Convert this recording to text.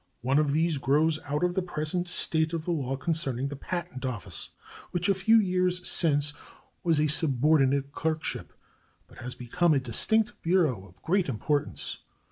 One of these grows out of the present state of the law concerning the Patent Office, which a few years since was a subordinate clerkship, but has become a distinct bureau of great importance.